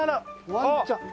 ワンちゃん！